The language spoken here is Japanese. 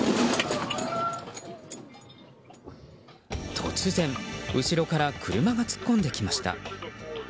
突然、後ろから車が突っ込んできました。